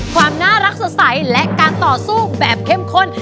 ความน่ารักสดใสและการต่อสู้แบบเข้มข้น